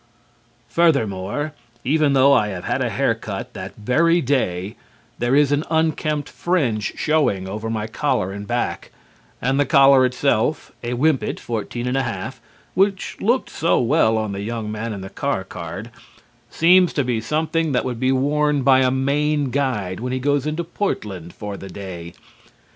Furthermore, even though I have had a hair cut that very day, there is an unkempt fringe showing over my collar in back and the collar itself, (a Wimpet, 14 1/2, which looked so well on the young man in the car card) seems to be something that would be worn by a Maine guide when he goes into Portland for the day.